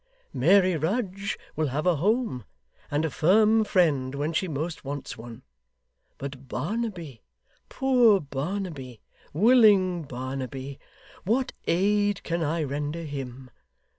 Mary Rudge will have a home, and a firm friend when she most wants one; but Barnaby poor Barnaby willing Barnaby what aid can I render him?